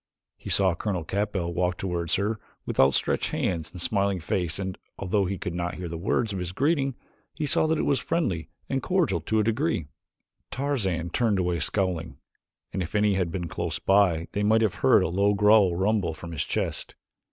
He saw Colonel Capell walk toward her with outstretched hands and smiling face and, although he could not hear the words of his greeting, he saw that it was friendly and cordial to a degree. Tarzan turned away scowling, and if any had been close by they might have heard a low growl rumble from his chest.